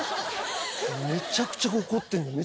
めっちゃくちゃ怒ってる。